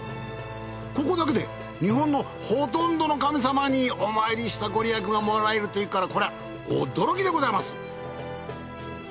ここだけで日本のほとんどの神様にお参りしたご利益がもらえるというからこりゃ驚きでございます。